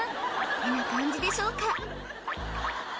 てな感じでしょうか